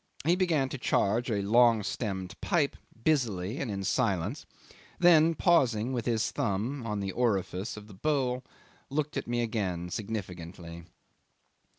He began to charge a long stemmed pipe busily and in silence, then, pausing with his thumb on the orifice of the bowl, looked again at me significantly.